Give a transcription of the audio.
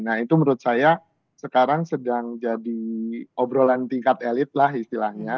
nah itu menurut saya sekarang sedang jadi obrolan tingkat elit lah istilahnya